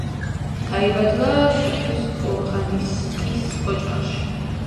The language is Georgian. დაიბადა სოფლის ორღანისტის ოჯახში.